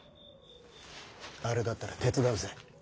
あれだったら手伝うぜ。